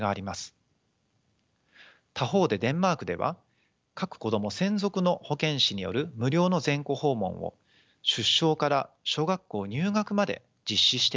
他方でデンマークでは各子ども専属の保健師による無料の全戸訪問を出生から小学校入学まで実施しているとの報告があります。